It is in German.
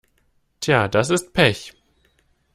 Tja, das ist Pech.